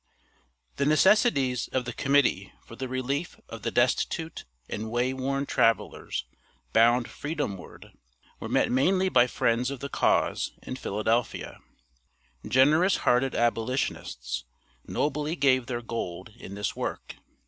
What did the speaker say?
The necessities of the Committee for the relief of the destitute and way worn travelers bound freedom ward, were met mainly by friends of the cause in Philadelphia. Generous hearted abolitionists nobly gave their gold in this work.